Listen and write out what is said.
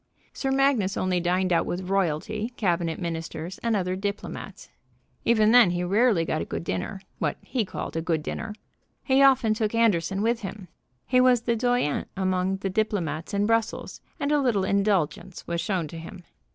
Sir Magnus only dined out with royalty, cabinet ministers, and other diplomats. Even then he rarely got a good dinner what he called a good dinner. He often took Anderson with him. He was the doyen among the diplomats in Brussels, and a little indulgence was shown to him.